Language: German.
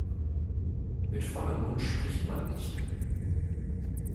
Mit vollem Mund spricht man nicht.